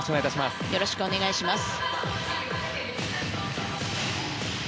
よろしくお願いします。